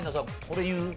これ言う？